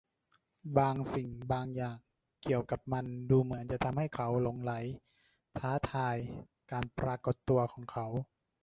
บางสิ่งบางอย่างเกี่ยวกับมันดูเหมือนจะทำให้เขาหลงใหลท้าทายการปรากฏตัวของเขา